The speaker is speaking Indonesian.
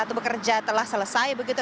atau bekerja telah selesai begitu